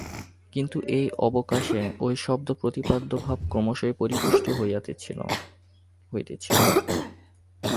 কিন্তু এই অবকাশে ঐ শব্দ-প্রতিপাদ্য ভাব ক্রমশই পরিপুষ্ট হইতেছিল।